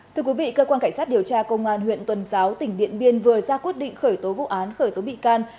thưa quý vị cơ quan cảnh sát điều tra công an huyện tuần giáo tỉnh điện biên vừa ra quyết định khởi tố vụ án khởi tố bị can